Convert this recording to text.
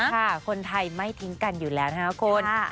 ค่ะคนไทยไม่ทิ้งกันอยู่แล้วนะครับคุณ